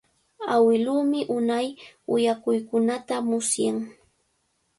Awiluumi unay willakuykunata musyan.